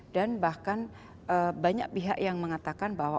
dan bahkan banyak pihak yang mengatakan bahwa